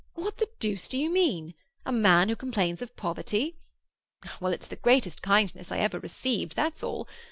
What the deuce do you mean? A man who complains of poverty! Well, it's the greatest kindness I ever received, that's all.